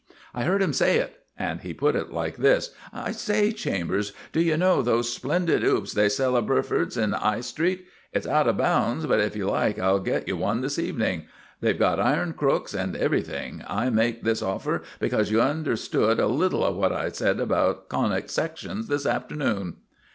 I heard him say it, and he put it like this: "I say, Chambers, do you know those splendid 'oops they sell at Burford's in 'Igh Street? It's out of bounds, but if you like I'll get you one this evening. They've got iron crooks and everything. I make this offer because you understood a little of what I said about Conic Sections this afternoon."